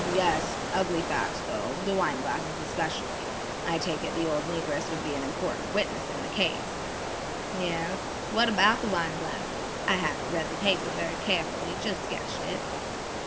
"H'm, yes. Ugly facts, though, the wine glasses especially. I take it the old Negress would be an important witness in the case." "Yes. What about the wine glasses? I haven't read the paper very carefully; just sketched it."